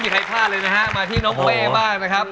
ใครพลาดเลยนะฮะมาที่น้องเป้บ้างนะครับ